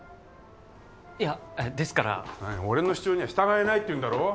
いやですから俺の主張には従えないっていうんだろ？